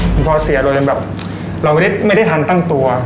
คุณพ่อเสียโดยแบบเราไม่ได้ทันตั้งตัว